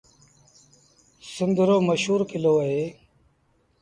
سنڌ رو مشهور ڪلو اهي۔